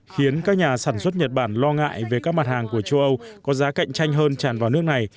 khiến các nhà sản xuất nhật bản lo ngại về các mặt hàng của châu âu có giá cạnh tranh hơn tràn vào nước này